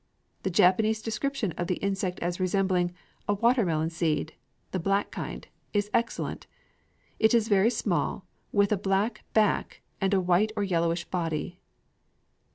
The Japanese description of the insect as resembling "a watermelon seed" the black kind is excellent. It is very small, with a black back, and a white or yellowish belly.